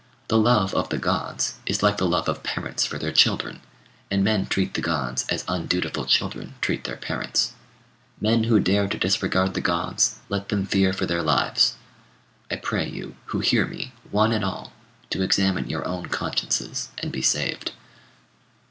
The love of the gods is like the love of parents for their children, and men treat the gods as undutiful children treat their parents. "Men who dare to disregard the gods, let them fear for their lives." I pray you who hear me, one and all, to examine your own consciences and be saved.